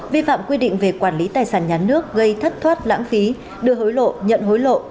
vi phạm quy định về quản lý tài sản nhà nước gây thất thoát lãng phí đưa hối lộ nhận hối lộ